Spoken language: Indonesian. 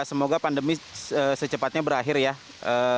as to modok masa lebih syarikat pihak am depan dan bukan lama sekarang rése pani saya